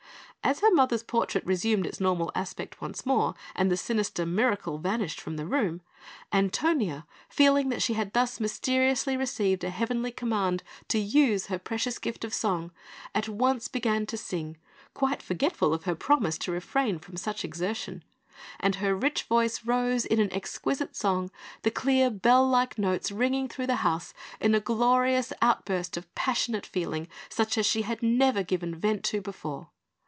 As her mother's portrait resumed its normal aspect once more, and the sinister Mirakel vanished from the room, Antonia, feeling that she had thus mysteriously received a heavenly command to use her precious gift of song, at once began to sing, quite forgetful of her promise to refrain from such exertion; and her rich voice rose in an exquisite song, the clear bell like notes ringing through the house in a glorious outburst of passionate feeling such as she had never given vent to before.